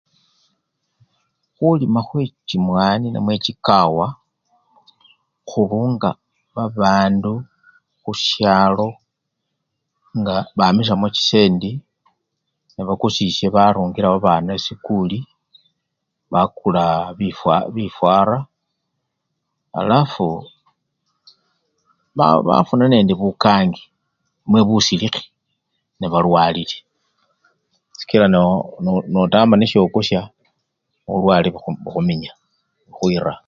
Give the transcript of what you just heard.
Khulima khwe chimwani namwe chikawa, khurunga babandu khusyalo nga bamisyamo chisendi nebakusyisye barungilamo babana esikuli, bakulaa bifa! bifwara alafu ba! bafuna nende bukangi namwe busilikhi nebalwalile sikila notamba nisyo okusya, bulwale bukhu! bukhuminya, bukhwira.